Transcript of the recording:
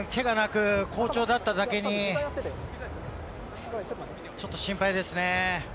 今シーズン、けがなく好調だっただけにちょっと心配ですね。